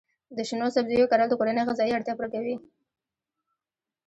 د شنو سبزیو کرل د کورنۍ غذایي اړتیا پوره کوي.